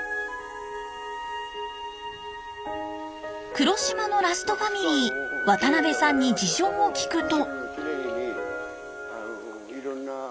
黒島のラストファミリー渡邊さんに事情を聞くと。